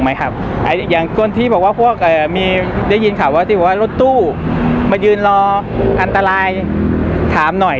อย่างคนที่ได้ยินข่าวว่ารถตู้มายืนรออันตรายถามหน่อย